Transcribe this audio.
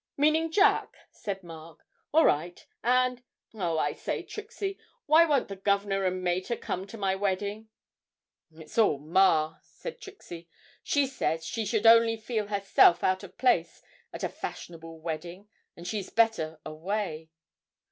'Meaning Jack?' said Mark. 'All right, and oh, I say, Trixie, why won't the governor and mater come to my wedding?' 'It's all ma,' said Trixie; 'she says she should only feel herself out of place at a fashionable wedding, and she's better away.'